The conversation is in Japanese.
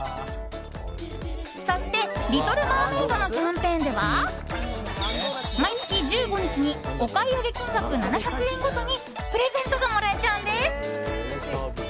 そして、リトルマーメイドのキャンペーンでは毎月１５日にお買い上げ金額７００円ごとにプレゼントがもらえちゃうんです。